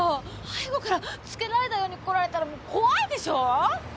背後から尾けられたように来られたら怖いでしょう！